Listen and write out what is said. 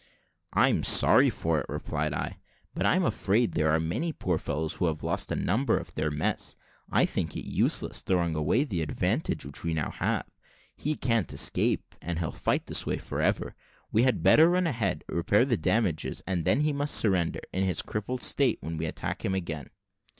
"I'm sorry for it," replied I; "but I'm afraid that there are many poor fellows who have lost the number of their mess. I think it useless throwing away the advantage which we now have. He can't escape, and he'll fight this way for ever. We had better run a head, repair damages, and then he must surrender, in his crippled state, when we attack him again."